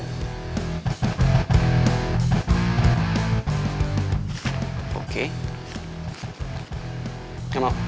gue bisa dapetin dengan cara yang lain